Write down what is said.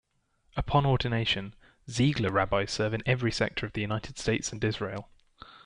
Upon ordination, Ziegler rabbis serve in every sector of the United States and Israel.